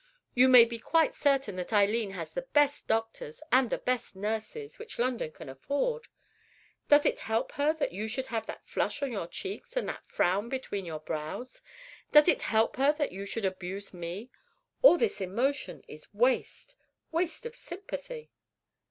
You may be quite certain that Eileen has the best doctors and the best nurses which London can afford. Does it help her that you should have that flush on your cheeks and that frown between your brows? Does it help her that you should abuse me? All this emotion is waste—waste of sympathy."